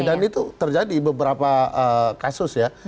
dan itu terjadi beberapa kasus ya